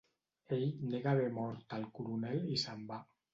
Ell nega haver mort el coronel i se'n va.